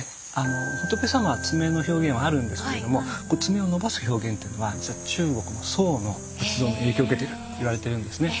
仏様は爪の表現はあるんですけれども爪を伸ばす表現っていうのは実は中国の宋の仏像の影響を受けてるといわれてるんですね。